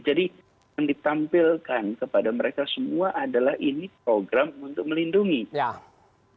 jadi yang ditampilkan kepada mereka semua adalah ini program untuk menjaga keamanan